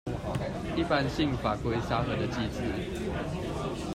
一般性法規沙盒的機制